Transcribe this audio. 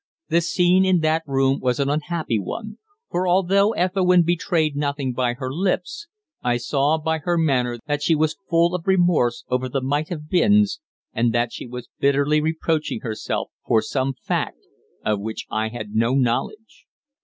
The scene in that room was an unhappy one, for although Ethelwynn betrayed nothing by her lips, I saw by her manner that she was full of remorse over the might have beens, and that she was bitterly reproaching herself for some fact of which I had no knowledge.